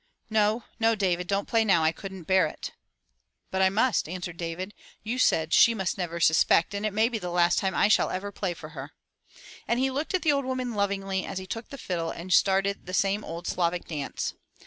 "No, no, David, don*t play now. I couldn*t bear it. "But I must, answered David. "You said she must never suspect, and it may be the last time I shall ever play for her.*' And he looked at the old woman lovingly as he took the fiddle and started the same old Slavic dance.